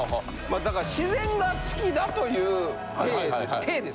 まあだから自然が好きだという体で。